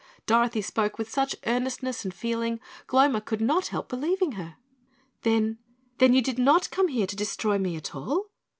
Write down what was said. Dorothy spoke with such earnestness and feeling, Gloma could not help believing her. "Then then you did not come here to destroy me at all?"